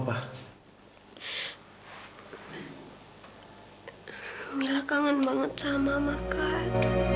enggak kangen banget sama makan